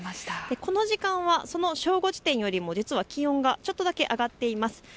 この時間は正午時点よりも実は気温がちょっとだけ上がっています。